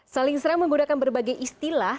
saling serang menggunakan berbagai istilah